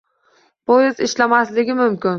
Poyezd ishlamasligi mumkin.